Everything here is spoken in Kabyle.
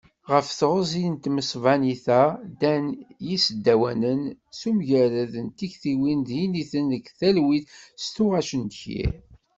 Ɣef teɣzi n tmesbanit-a, ddan yisdawanen s umgarad n tektiwin d yiniten deg talwit s tuɣac n ddkir.